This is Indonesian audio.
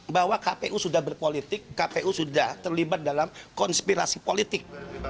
bahwa kpu sudah berpolitik kpu sudah terlibat dalam konspirasi politik